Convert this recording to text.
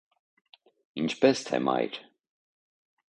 - Ի՞նչպես թե մայր…